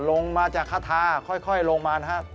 ลงมาจากคาทาค่อยลงมานะครับ